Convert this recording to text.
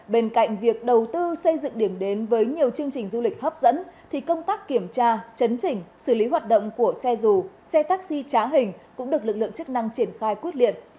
bên cạnh việc đầu tư xây dựng điểm đến với nhiều chương trình du lịch hấp dẫn thì công tác kiểm tra chấn chỉnh xử lý hoạt động của xe dù xe taxi trá hình cũng được lực lượng chức năng triển khai quyết liệt